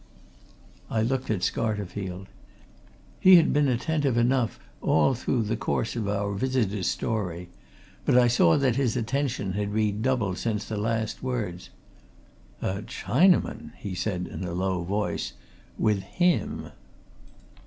I looked at Scarterfield. He had been attentive enough all through the course of our visitor's story, but I saw that his attention had redoubled since the last few words. "A Chinaman!" he said in a low voice. "With him!"